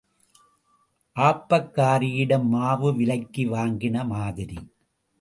ஆப்பக்காரியிடம் மாவு விலைக்கு வாங்கின மாதிரி.